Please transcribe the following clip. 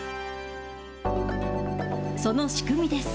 その仕組みです。